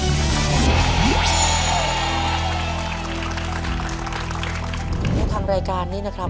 ในทางรายการนี้นะครับ